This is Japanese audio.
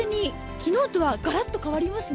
昨日とはガラッと変わりますね。